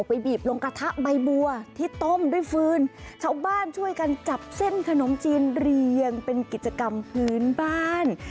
บีบลงกระทะใบบัวที่ต้มด้วยฟืนชาวบ้านช่วยกันจับเส้นขนมจีนเรียงเป็นกิจกรรมพื้นบ้าน